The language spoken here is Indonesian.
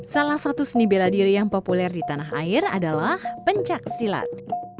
salah satu seni bela diri yang populer di tanah air adalah pencaksilat